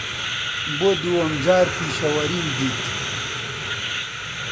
بۆ دووهەم جار پیشەوەریم دیت.